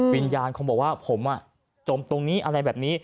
วิญญาณคงบอกว่าผมจมตรงนี้อะไรแบบนี้